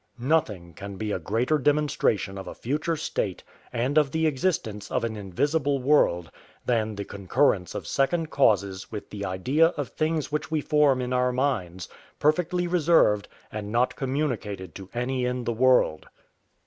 Nothing can be a greater demonstration of a future state, and of the existence of an invisible world, than the concurrence of second causes with the idea of things which we form in our minds, perfectly reserved, and not communicated to any in the world.